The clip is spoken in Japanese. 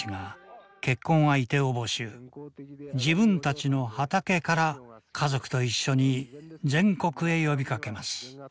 自分たちの畑から家族と一緒に全国へ呼びかけます。